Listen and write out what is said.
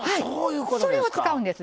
それを使うんです全部ね。